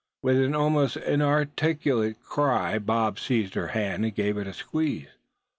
With an almost inarticulate cry Bob seized her hand, and gave it a squeeze.